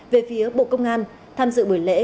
về phía bộ công an tham dự buổi lễ